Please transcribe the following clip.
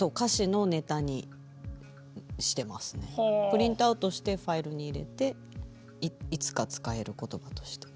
プリントアウトしてファイルに入れていつか使える言葉として。